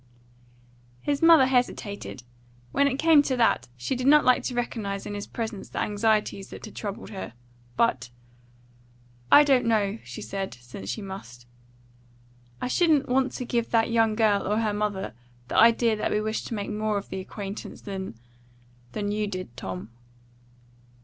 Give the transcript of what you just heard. His mother hesitated. When it came to that, she did not like to recognise in his presence the anxieties that had troubled her. But "I don't know," she said, since she must. "I shouldn't want to give that young girl, or her mother, the idea that we wished to make more of the acquaintance than than you did, Tom."